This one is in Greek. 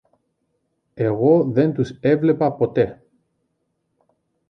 Εγώ δεν τους έβλεπα ποτέ.